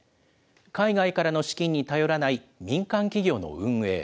海外からの資金に頼らない民間企業の運営。